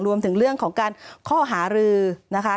รวมถึงเรื่องของการข้อหารือนะคะ